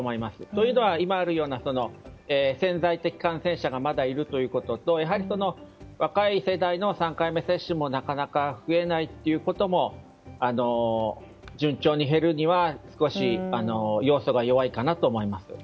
というのは、今あるような潜在的感染者がまだいるということとやはり若い世代の３回目接種もなかなか増えないことも順調に減るには少し要素が弱いかなと思います。